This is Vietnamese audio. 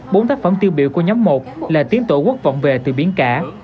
bốn tác phẩm tiêu biểu của nhóm một là tiếng tổ quốc vọng về từ biến cả